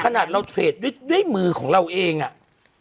ขนาดเราเทรดด้วยด้วยมือของเราเองอ่ะ